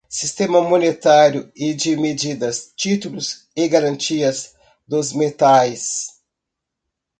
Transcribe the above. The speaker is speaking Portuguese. sistema monetário e de medidas, títulos e garantias dos metais;